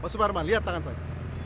pak suparman lihat tangan saya